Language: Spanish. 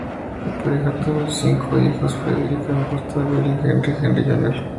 La pareja tuvo cinco hijos: Frederick, Augusta, William Henry, Henry Jr.